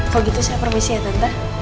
kalau gitu saya permisi ya tambah